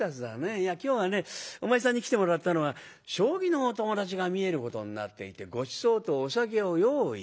いや今日はねお前さんに来てもらったのは将棋のお友達が見えることになっていてごちそうとお酒を用意した。